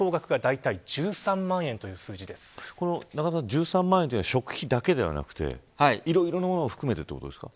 １３万円というのは食費だけではなくていろいろなものを含めてですか。